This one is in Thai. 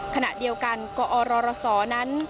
ขณะเดียวกันกอรศนั้น